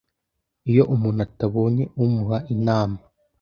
Iyo umuntu atabonye umuha inama